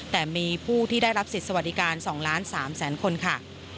แต่มีผู้ที่ได้รับศิษย์สวัสดิการ๒๓๐๐๐๐๐คนค่ะ